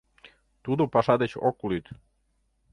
Тудо паша деч ок лӱд.